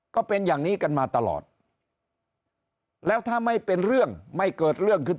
ก็เป็นอย่างนี้กันมาตลอดแล้วถ้าไม่เป็นเรื่องไม่เกิดเรื่องขึ้น